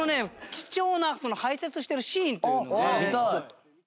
貴重な排泄してるシーンというのがあるので。